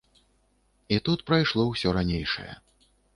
І тут прайшло ўсё ранейшае.